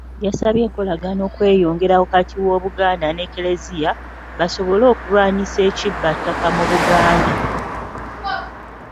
Yasabye enkolagana okweyongera wakati w'Obuganda n'Eklezia, basobole okulwanyisa ekibba ttaka mu Buganda.